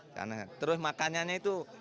karena terus makanannya itu